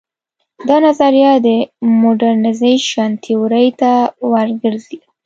دا نظریه د موډرنیزېشن تیورۍ ته ور ګرځي.